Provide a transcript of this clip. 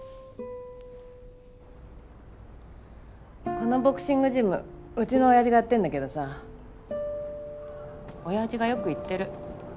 このボクシングジムうちのオヤジがやってんだけどさオヤジがよく言ってる。